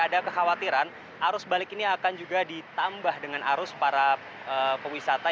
ada kekhawatiran arus balik ini akan juga ditambah dengan arus para pewisata